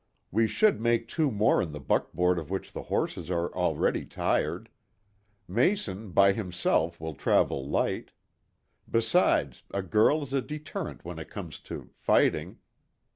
We should make two more in the buckboard of which the horses are already tired. Mason, by himself, will travel light. Besides, a girl is a deterrent when it comes to fighting.